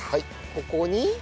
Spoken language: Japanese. ここに？